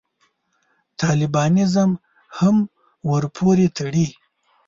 طالبانیزم هم ورپورې تړي.